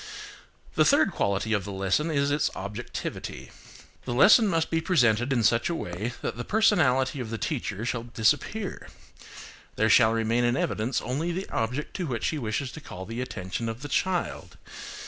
The third quality of the lesson is its objectivity. The lesson must be presented in such a way that the personality of the teacher shall disappear. There shall remain in evidence only the object to which she wishes to call the attention of the child.